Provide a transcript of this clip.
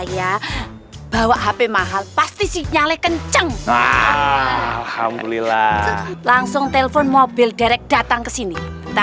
ya bawa hp mahal pasti sinyal kenceng alhamdulillah langsung telepon mobil direct datang kesini